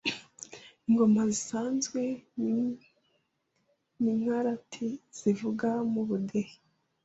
Ingoma zisanzwe n’Inkarati zivuga mu budehe